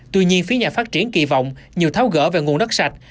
tuy nhiên phía nhà phát triển kỳ vọng nhiều tháo gỡ về nguồn đất sạch